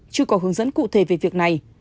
chưa có hướng dẫn cụ thể về việc này